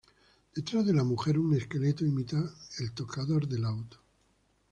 Detrás de la mujer un esqueleto imita al tocador de laúd.